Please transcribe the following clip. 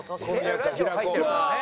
ラジオ入ってるからね。